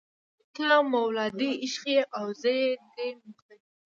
ته مولا دې عشق یې او زه دې مقتدي یمه